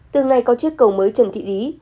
từ ngày có chiếc cầu mới trần thị lý